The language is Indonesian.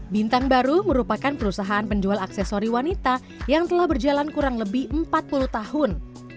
bintang baru merupakan perusahaan penjual aksesori wanita yang telah berjalan kurang lebih empat puluh tahun